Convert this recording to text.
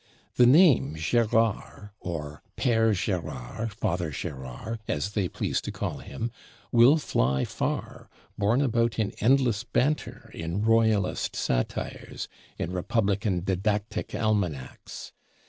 The name Gérard, or "Père Gérard, Father Gérard," as they please to call him, will fly far, borne about in endless banter, in Royalist satires, in Republican Didactic Almanacks.